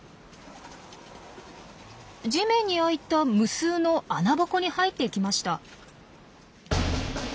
地面に開いた無数の穴ぼこに入っていきました。